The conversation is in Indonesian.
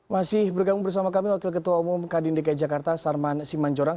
masih bergabung bersama kami wakil ketua umum kadin dki jakarta sarman simanjorang